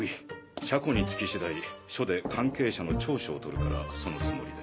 車庫に着き次第署で関係者の調書を取るからそのつもりで。